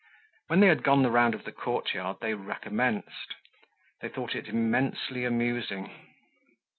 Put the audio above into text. When they had gone the round of the courtyard, they recommenced. They thought it immensely amusing.